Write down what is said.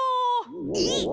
えっ！